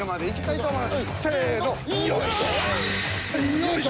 よいしょ。